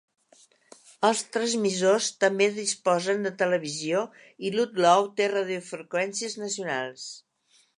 Els transmissors també disposen de televisió i Ludlow té radiofreqüències nacionals.